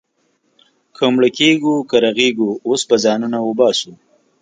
که مړه کېږو، که رغېږو، اوس به ځانونه وباسو.